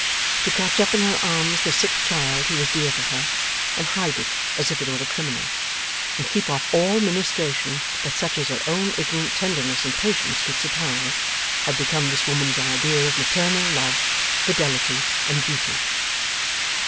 To catch up in her arms the sick child who was dear to her, and hide it as if it were a criminal, and keep off all ministration but such as her own ignorant tenderness and patience could supply, had become this woman's idea of maternal love, fidelity, and duty.